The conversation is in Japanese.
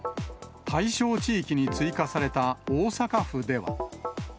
対象地域に追加された大阪府では。